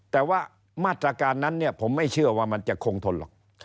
แต่ว่ามาตรการนั้นเนี่ยผมไม่เชื่อว่ามันจะคงทนหรอก